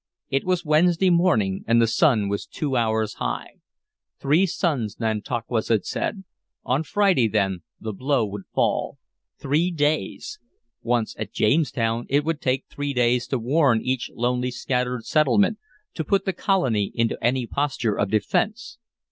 It was Wednesday morning, and the sun was two hours high. Three suns, Nantauquas had said: on Friday, then, the blow would fall. Three days! Once at Jamestown, it would take three days to warn each lonely scattered settlement, to put the colony into any posture of defense.